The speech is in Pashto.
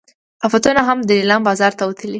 عفتونه هم د لیلام بازار ته وتلي.